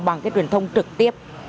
bằng cái truyền thông trực tiếp